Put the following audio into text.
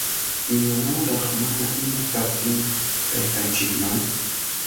¡Imanawraq mana inti kaptin kaykanchikman!